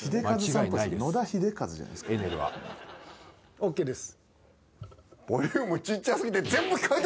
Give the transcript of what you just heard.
ＯＫです。